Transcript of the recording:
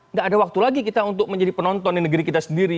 nggak ada waktu lagi kita untuk menjadi penonton di negeri kita sendiri